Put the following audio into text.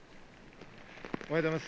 おはようございます。